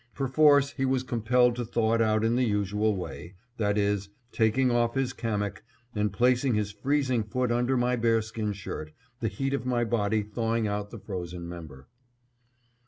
Perforce, he was compelled to thaw it out in the usual way; that is, taking off his kamik and placing his freezing foot under my bearskin shirt, the heat of my body thawing out the frozen member.